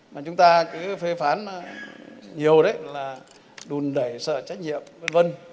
mà chúng ta cứ phê phán nhiều đấy là đùn đẩy sợ trách nhiệm v v